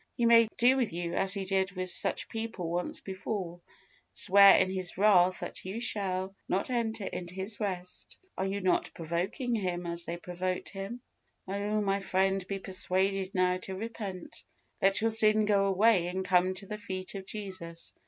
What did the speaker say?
He may do with you as He did with such people once before swear in His wrath that you shall not enter into His rest. Are you not provoking Him as they provoked Him? Oh! my friend, be persuaded now to repent. Let your sin go away, and come to the feet of Jesus.